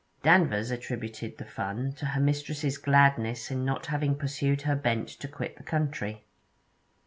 Danvers attributed the fun to her mistress's gladness in not having pursued her bent to quit the country.